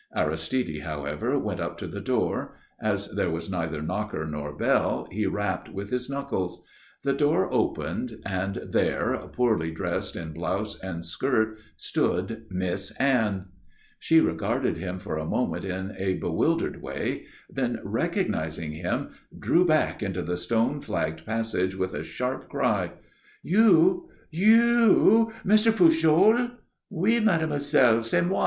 Aristide, however, went up to the door; as there was neither knocker nor bell, he rapped with his knuckles. The door opened, and there, poorly dressed in blouse and skirt, stood Miss Anne. She regarded him for a moment in a bewildered way, then, recognizing him, drew back into the stone flagged passage with a sharp cry. "You? You Mr. Pujol?" "_Oui, Mademoiselle, c'est moi.